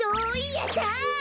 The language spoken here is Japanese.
やった！